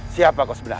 siapa kau sebenarnya